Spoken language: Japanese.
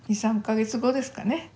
２３か月後ですかね。